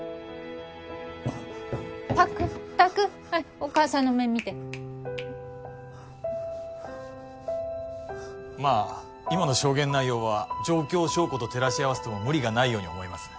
拓拓はいお母さんの目見てまあ今の証言内容は状況証拠と照らし合わせても無理がないように思います